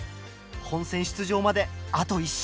本戦出場まであと１勝。